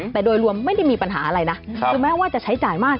แต่โดยรวมไม่ได้มีปัญหาอะไรนะคือแม้ว่าจะใช้จ่ายมาก